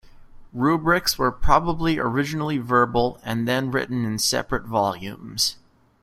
Rubrics were probably originally verbal, and then written in separate volumes.